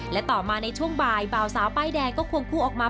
และต่อมาในช่วงบ่ายบ่าวสาวป้ายแดงก็ควงคู่ออกมา